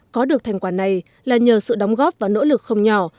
có được thành quả này là nhờ sự đóng góp và nỗ lực không nhỏ